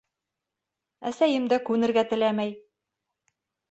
Әсәйем дә күнергә теләмәй: